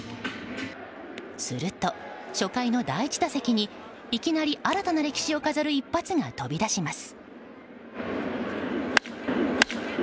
すると、初回の第１打席にいきなり新たな歴史を飾る一発が飛び出します。